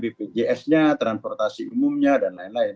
perbaiki saja bpjs nya transportasi umumnya dan lain lain